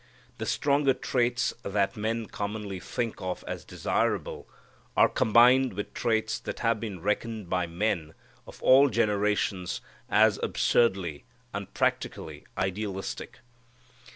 The stronger traits that men commonly think of as desirable are combined with traits that have been reckoned by men of all generations as absurdly, unpractically idealistic.